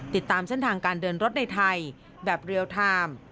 ติดตามเส้นทางการเดินรถในไทยแบบเรียลไทม์